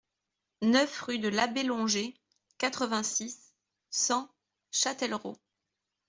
neuf rue de l'Abbé Longer, quatre-vingt-six, cent, Châtellerault